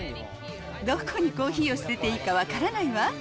どこにコーヒーを捨てていいか分からないわ。